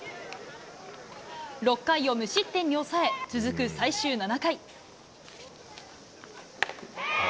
６回を無失点に抑え、続く最終７回。